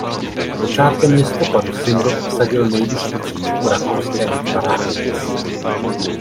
Počátkem listopadu singl obsadil nejvyšší příčku rakouské hitparády písní.